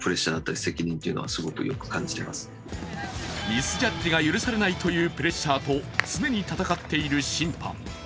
ミスジャッジが許されないというプレッシャーと常に戦っている審判。